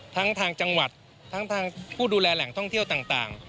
ทั้งทางจังหวัดทั้งทางผู้ดูแลแหล่งท่องเที่ยวต่าง